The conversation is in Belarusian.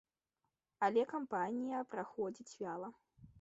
Але кампанія праходзіць вяла.